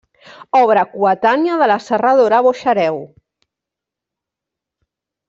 Obra coetània de la serradora Boixareu.